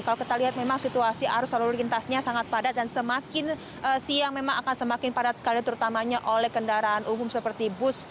kalau kita lihat memang situasi arus lalu lintasnya sangat padat dan semakin siang memang akan semakin padat sekali terutamanya oleh kendaraan umum seperti bus